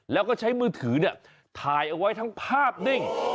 แล้วก็ใช้มือถือถ่ายเอาไว้ทั้งภาพนิ่ง